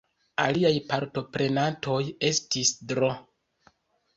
Aliaj partoprenantoj estis Dro.